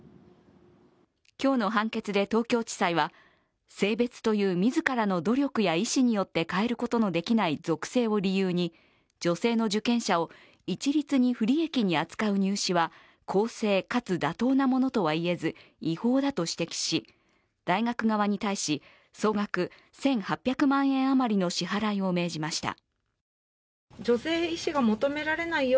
今日の判決で東京地裁は性別という自らの努力や意思によって変えることのできない属性を理由に女性の受験者を一律に不利益に扱う入試は公正かつ妥当なものだとはいえず違法だと指摘し大学側に対し、総額１８００万円余りの支払いを命じました。